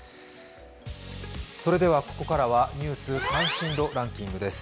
それではここからは「ニュース関心度ランキング」です。